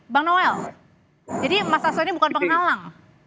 bang noel jadi mas hasto ini bukan bang alang